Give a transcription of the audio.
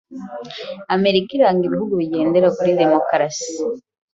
Amerika iranga ibihugu bigendera kuri demokarasi.